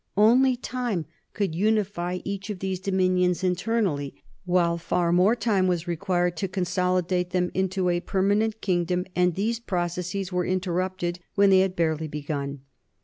Only time could unify each of these dominions internally, while far more time was required to consolidate them into a permanent kingdom, and these processes were interrupted when they had barely begun.